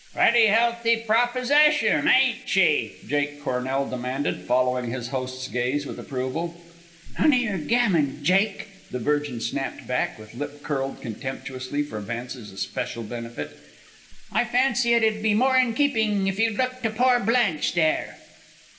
"Pretty healthy proposition, ain't she?" Jake Cornell demanded, following his host's gaze with approval. "None o' your gammon, Jake," the Virgin snapped back, with lip curled contemptuously for Vance's especial benefit. "I fancy it'd be more in keeping if you'd look to pore Blanche, there."